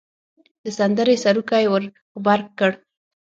د سندرې سروکی ور غبرګ کړ.